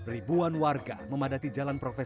ribuan warga memadati jalan protokol